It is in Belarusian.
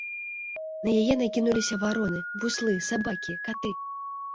На яе накінуліся вароны, буслы, сабакі, каты.